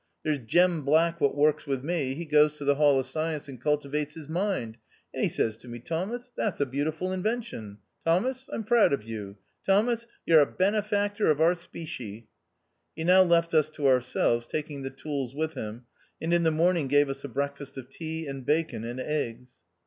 There's Jem Black what works with me, he goes to the Hall of Science and cultiwates his mind ; and he says to me, ' Thomas, that's a beautiful inwention ; Thomas, I'm proud of you ; Thomas, you're a benefactor of our specie. '" He now left us to ourselves, taking the tools with him, and in the morning gave us a breakfast of tea, and bacon, and eggs.